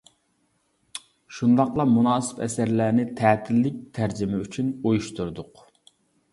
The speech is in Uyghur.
شۇنداقلا مۇناسىپ ئەسەرلەرنى تەتىللىك تەرجىمە ئۈچۈن ئۇيۇشتۇردۇق.